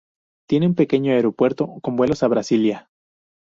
Tiene un pequeño aeropuerto con vuelos a Brasilia.